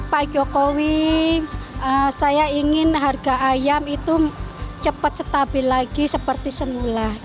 pak jokowi saya ingin harga ayam itu cepat stabil lagi seperti semula